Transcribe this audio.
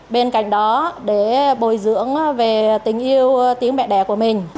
bên cạnh đó để bồi dưỡng về tình yêu tiếng mẹ đẻ của mình